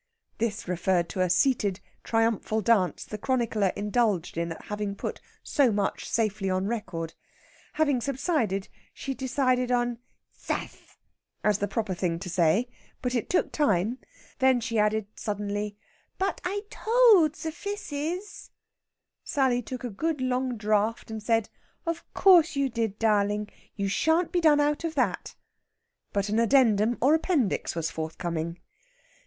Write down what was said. This referred to a seated triumphal dance the chronicler indulged in at having put so much safely on record. Having subsided, she decided on zass as the proper thing to say, but it took time. Then she added suddenly: "But I told ze fisses." Sally took a good long draught, and said: "Of course you did, darling. You shan't be done out of that!" But an addendum or appendix was forthcoming.